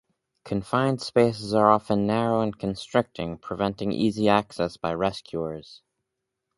Confined spaces are often narrow and constricting preventing easy access by rescuers.